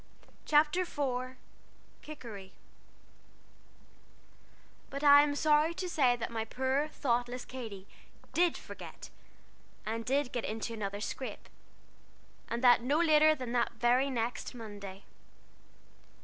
'" CHAPTER IV KIKERI But I am sorry to say that my poor, thoughtless Katy did forget, and did get into another scrape, and that no later than the very next Monday.